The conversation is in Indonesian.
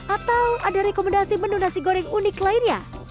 atau ada rekomendasi menu nasi goreng unik lainnya